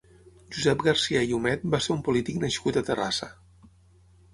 Josep Garcia i Humet va ser un polític nascut a Terrassa.